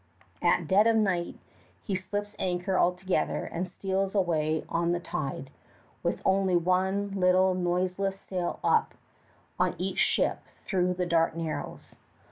At dead of night he slips anchor altogether and steals away on the tide, with only one little noiseless sail up on each ship through the dark Narrows.